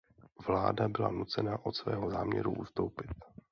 Vláda byla nucena od svého záměru ustoupit.